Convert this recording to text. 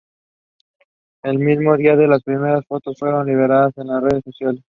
El mismo día las primeras fotos fueron liberadas en las redes sociales.